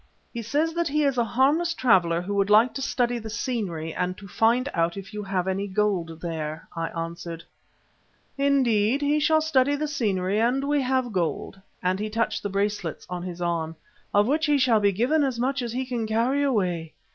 "He says that he is a harmless traveller who would like to study the scenery and to find out if you have any gold there," I answered. "Indeed. Well, he shall study the scenery and we have gold," and he touched the bracelets on his arm, "of which he shall be given as much as he can carry away.